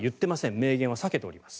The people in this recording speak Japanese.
明言は避けています。